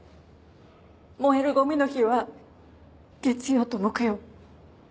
燃えるゴミの日は月曜と木曜。